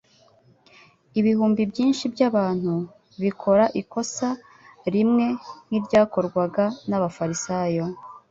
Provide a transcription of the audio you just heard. Ibihumbi byinshi by'abantu bikora ikosa rimwe nk'iryakorwaga n'abafarisayo